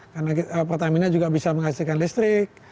karena pertamina juga bisa menghasilkan listrik